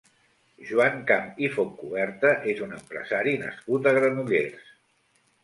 Joan Camp i Fontcuberta és un empresari nascut a Granollers.